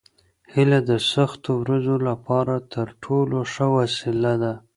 هیله د سختو ورځو لپاره تر ټولو ښه وسله ده.